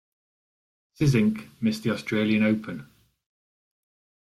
Czink missed the Australian Open.